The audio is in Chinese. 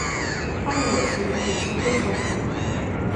它们有时也会吃昆虫。